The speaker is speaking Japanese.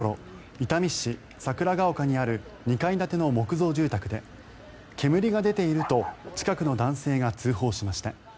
午前９時半ごろ伊丹市桜ケ丘にある２階建ての木造住宅で煙が出ていると近くの男性が通報しました。